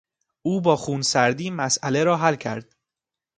او با خونسردی مسئله را حل کرد.